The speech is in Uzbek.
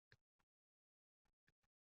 Oʻq uzgan ul kunlar haqida.